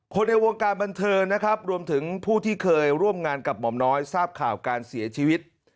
ในวงการบันเทิงนะครับรวมถึงผู้ที่เคยร่วมงานกับหม่อมน้อยทราบข่าวการเสียชีวิต